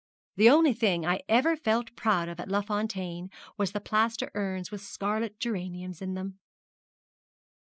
The only thing I ever felt proud of at Les Fontaines was the plaster urns with scarlet geraniums in them!'